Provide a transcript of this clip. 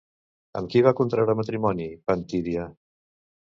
Amb qui va contraure matrimoni Pantidia?